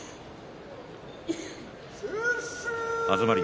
東龍。